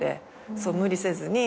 無理せずに。